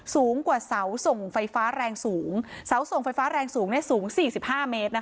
สูงกว่าเสาส่งไฟฟ้าแรงสูงเสาส่งไฟฟ้าแรงสูงได้สูงสี่สิบห้าเมตรนะคะ